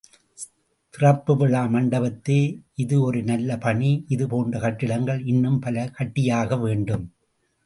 திறப்பு விழா மண்டபத்தே— இது ஒரு நல்ல பணி இது போன்ற கட்டிடங்கள் இன்னும் பல கட்டியாக வேண்டும்.